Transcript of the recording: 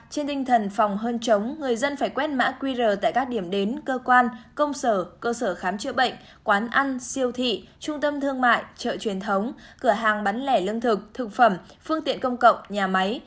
trên tinh thần phòng hơn chống người dân phải quét mã qr tại các điểm đến cơ quan công sở cơ sở khám chữa bệnh quán ăn siêu thị trung tâm thương mại chợ truyền thống cửa hàng bán lẻ lương thực thực phẩm phương tiện công cộng nhà máy